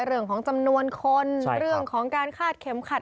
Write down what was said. เรื่องของจำนวนคนเรื่องของการคาดเข็มขัด